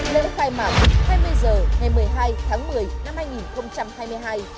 lễ khai mạng hai mươi h ngày một mươi hai tháng một mươi năm hai nghìn hai mươi hai